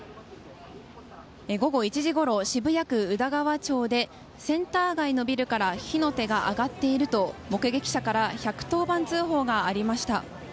午後１時ごろ、渋谷区宇田川町でセンター街のビルから火の手が上がっていると目撃者から１１０番通報がありました。